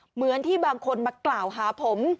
เหมือนที่บางคนมากล่าวหาผม